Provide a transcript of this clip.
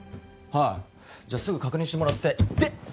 はいじゃすぐ確認してもらってイッテ！